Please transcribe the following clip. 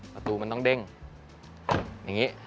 ประตูมันต้องเด้งอย่างนี้